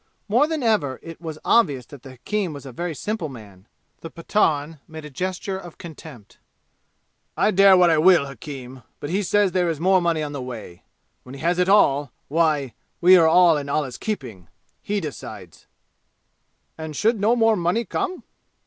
More than ever it was obvious that the hakim was a very simple man. The Pathan made a gesture of contempt. "I dare what I will, hakim! But he says there is more money on the way! When he has it all why we are all in Allah's keeping He decides!" "And should no more money come?"